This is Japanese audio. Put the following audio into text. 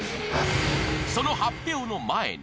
［その発表の前に］